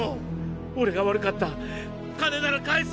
俺が悪かった金なら返す！